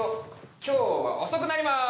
今日は遅くなります！